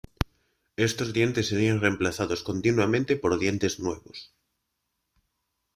Estos dientes serían reemplazados continuamente por dientes nuevos.